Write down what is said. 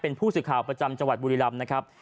เป็นผู้สื่อข่าวประจำจังหวัดบุรีรำนะครับ